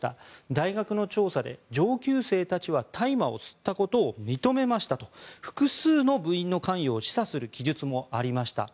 大学の調査で上級生たちは大麻を吸ったことを認めましたと複数の部員の関与を示唆する記述もありました。